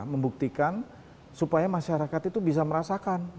membuktikan supaya masyarakat itu bisa merasakan